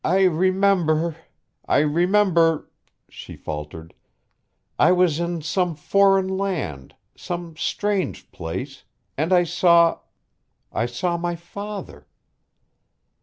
"I remember I remember," she faltered. "I was in some foreign land some strange place and I saw I saw my father."